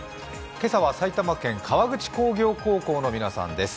今朝は埼玉県川口工業高校の皆さんです。